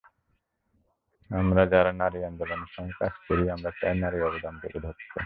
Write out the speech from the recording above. আমরা যাঁরা নারী আন্দোলনের সঙ্গে কাজ করি, আমরা চাই নারীর অবদান তুলে ধরতে।